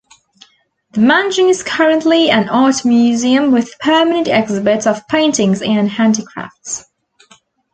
The mansion is currently an art museum with permanent exhibits of paintings and handicrafts.